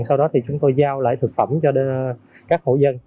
sau đó thì chúng tôi giao lại thực phẩm cho các hộ dân